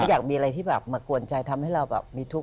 อยากมีอะไรที่แบบมากวนใจทำให้เราแบบมีทุกข